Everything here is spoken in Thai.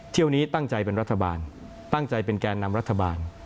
เที่ยวนี้ตั้งใจเป็นรัฐบาลตั้งใจเป็นแก่นำรัฐบาล